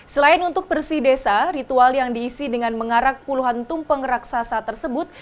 selain untuk bersih desa ritual yang diisi dengan mengarak puluhan tumpeng raksasa tersebut